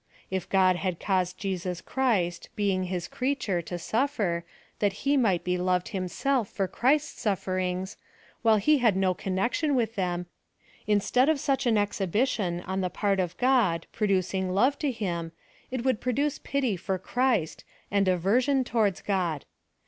If God had caused Jesus Christ, being his creature, to suffer, that he might be loved himself for Christ's sufferings, while he had no connection with them, instead of such an exhibition, on the part of God, producing love to him, it would produce pity for Christ, and aversion towards God.